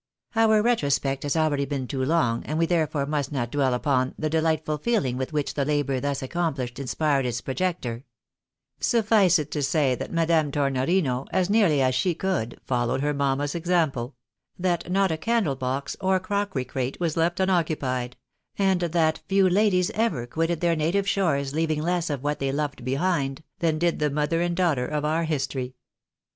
Our retrospect has already been too long, and we therefore must not dwell upon the delightful feeling with which the labour thus accomphshed in •spired its projector ; sufhce it to say, that Madame Tornorino, as nearly as she could, followed her mamma's example ; that not a candle box or crockery crate was left unoccupied ; and that few ladies ever quitted their native shores leaving less of what they loved behind, than did the mother and daughter of our history.